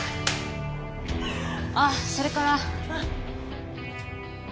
ああそれから。